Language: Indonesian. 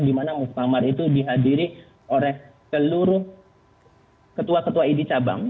dimana muktamar itu dihadiri oleh seluruh ketua ketua idi cabang